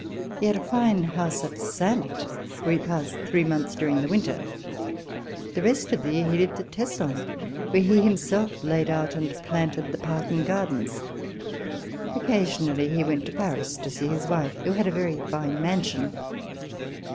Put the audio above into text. He had a fine house at Saintes, where he passed three months during the winter. The rest of the year he lived at Tesson where he himself had laid out and planted the park and gardens. Occasionally, he went to Paris to see his wife, who had a very fine mansion.